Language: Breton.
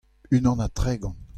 unan ha tregont.